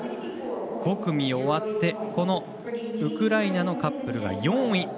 ５組終わってウクライナのカップルが４位。